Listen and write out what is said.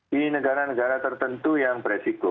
di negara negara tertentu yang beresiko